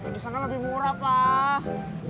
di sana lebih murah pak